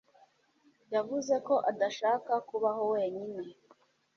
yavuze ko adashaka kubaho wenyine.